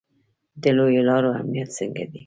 د لویو لارو امنیت څنګه دی؟